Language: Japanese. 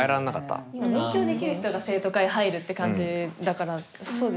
勉強できる人が生徒会入るって感じだからそうですよね？